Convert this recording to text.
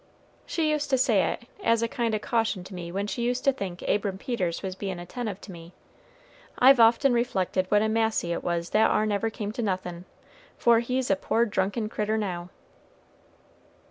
She used to say it as a kind o' caution to me when she used to think Abram Peters was bein' attentive to me. I've often reflected what a massy it was that ar never come to nothin', for he's a poor drunken critter now."